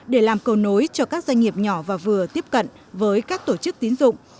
để làm cầu nối cho các doanh nghiệp nhỏ và vừa tiếp cận với các tổ chức tín dụng